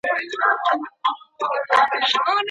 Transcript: رسول اکرم صلی الله عليه وسلم ورته وفرمايل.